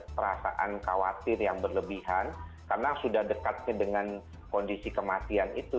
perasaan khawatir yang berlebihan karena sudah dekatnya dengan kondisi kematian itu